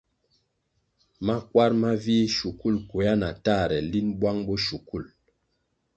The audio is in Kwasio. Makwar mavih, shukul kwea na tahre linʼ bwang bo shukul.